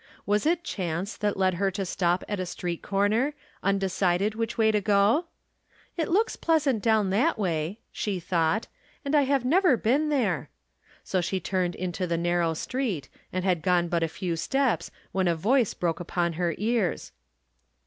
Was it chance that led her to stop at a street corner, undecided which way to go ?" It looks pleasant down that way," she thought, " and I have never • been there." So she turned into the narrow street, and had gone but a few steps when a voice broke upon her ears.